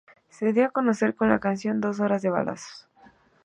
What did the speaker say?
Se dio a conocer con la canción "Dos horas de balazos".